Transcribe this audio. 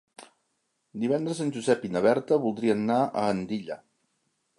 Divendres en Josep i na Berta voldrien anar a Andilla.